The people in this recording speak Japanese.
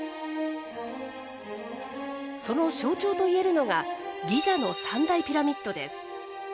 その象徴と言えるのがギザの三大ピラミッドです。